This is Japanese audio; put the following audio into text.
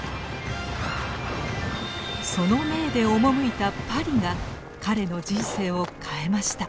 その命で赴いたパリが彼の人生を変えました。